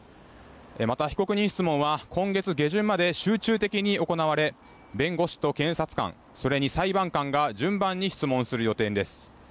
また、被告人質問は今月下旬まで集中的に行われ弁護士と検察官それに裁判官が順番に質問する予定です。